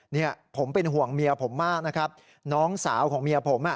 เนี่ยผมเป็นห่วงเมียผมมากนะครับน้องสาวของเมียผมอ่ะ